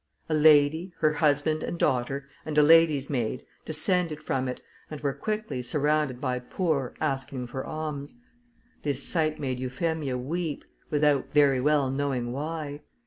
A lady, her husband and daughter, and a lady's maid, descended from it, and were quickly surrounded by poor asking for alms. This sight made Euphemia weep, without very well knowing why.